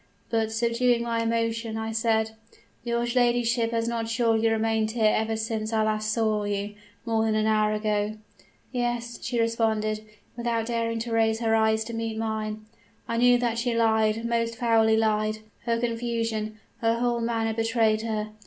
But, subduing my emotion, I said: "'Your ladyship has not surely remained here ever since I last saw you, more than an hour ago?' "'Yes,' she responded, without daring to raise her eyes to meet mine. I knew that she lied, most foully lied: her confusion, her whole manner betrayed her.